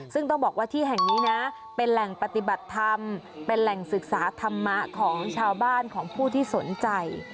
ซึ่งต้องบอกว่าที่แห่งนี้นะเป็นแหล่งปฏิบัติธรรมเป็นแหล่งศึกษาธรรมะของชาวบ้านของผู้ที่สนใจ